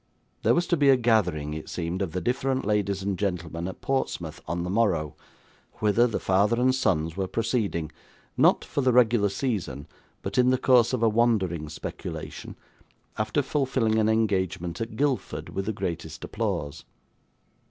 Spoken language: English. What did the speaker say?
There was to be a gathering, it seemed, of the different ladies and gentlemen at Portsmouth on the morrow, whither the father and sons were proceeding (not for the regular season, but in the course of a wandering speculation), after fulfilling an engagement at Guildford with the greatest applause.